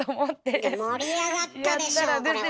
盛り上がったでしょうこれは。